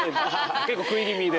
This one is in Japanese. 結構食い気味で。